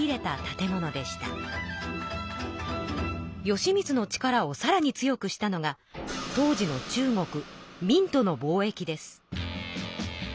義満の力をさらに強くしたのが当時の中国明との貿易です。